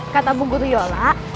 kata bu guru yola